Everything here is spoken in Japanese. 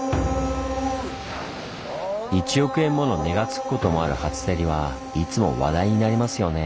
１億円もの値がつくこともある初競りはいつも話題になりますよね。